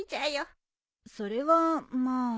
それはまあ。